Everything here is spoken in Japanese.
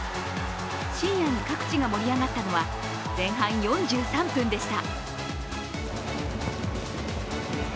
深夜に各地が盛り上がったのは前半４３分でした。